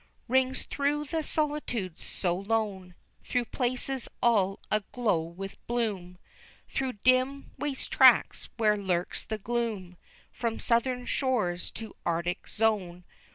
_ Rings through the solitudes so lone, Through places all aglow with bloom, Through dim, waste tracts where lurks the gloom From Southern shores to Arctic Zone.